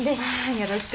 よろしく。